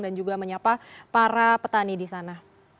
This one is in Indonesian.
dan juga menyapa para petani di sana